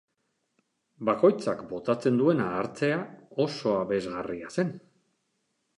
Bakoitzak botatzen duena hartzea oso aberasgarria zen.